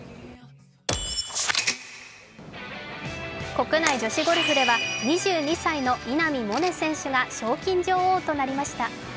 国内女子ゴルフでは２２歳の稲見萌寧選手が賞金女王となりました。